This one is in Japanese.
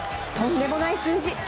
とんでもない数字！